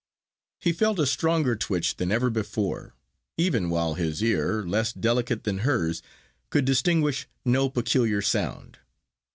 He felt a stronger twitch than ever before; even while his ear, less delicate than hers, could distinguish no peculiar sound.